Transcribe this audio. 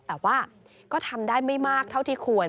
แต่ว่าก็ทำได้ไม่มากเท่าที่ควร